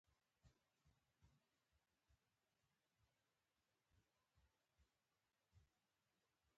ماښام به څه وخورو؟